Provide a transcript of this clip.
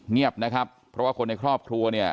เงียบนะครับเพราะว่าคนในครอบครัวเนี่ย